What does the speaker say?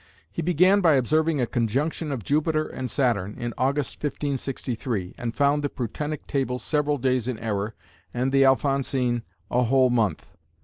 He began by observing a conjunction of Jupiter and Saturn in August, 1563, and found the Prutenic Tables several days in error, and the Alphonsine a whole month.